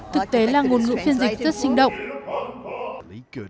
thực tế là ngôn ngữ phiên dịch rất sinh động